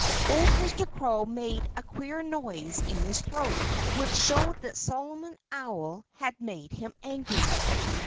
Old Mr. Crow made a queer noise in his throat, which showed that Solomon Owl had made him angry.